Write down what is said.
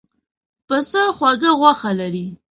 پسه خوږه غوښه لري.